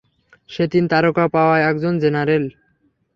সে তিন তারকা পাওয়া একজন জেনারেল!